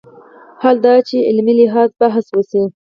حال دا چې علمي لحاظ بحث وشي